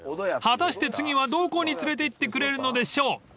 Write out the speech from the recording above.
［果たして次はどこに連れていってくれるのでしょう？］